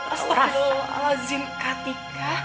astagfirullahaladzim kak tika